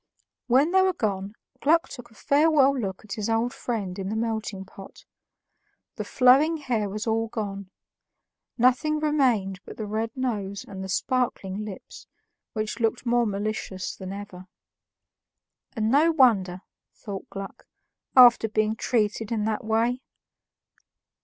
When they were gone, Gluck took a farewell look at his old friend in the melting pot. The flowing hair was all gone; nothing remained but the red nose and the sparkling eyes, which looked more malicious than ever. "And no wonder," thought Gluck, "after being treated in that way."